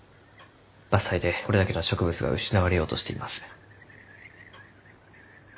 伐採でこれだけの植物が失われようとしています。